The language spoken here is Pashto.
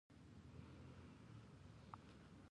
د غوري سلطانانو د دهلي سلطنت بنسټ کېښود